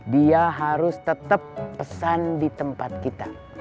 dia harus tetap pesan di tempat kita